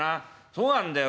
そうなんだよ